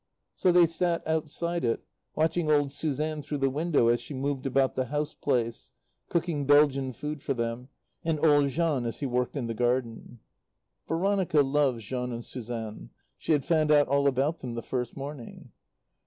So they sat outside it, watching old Suzanne through the window as she moved about the house place, cooking Belgian food for them, and old Jean as he worked in the garden. Veronica loved Jean and Suzanne. She had found out all about them the first morning.